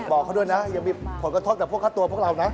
บอกเขาด้วยนะยังมีผลข้อโทษแต่กับพวกข้าตัวพวกเรานะ